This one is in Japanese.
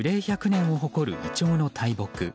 １００年を誇るイチョウの大木。